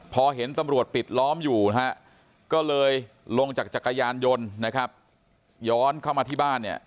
พอเห็นตำรวจปิดล้อมอยู่ก็เลยลงจากจักรยานยนต์ย้อนเข้ามาที่บ้าน